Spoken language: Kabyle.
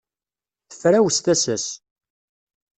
Tefrawes tasa-s.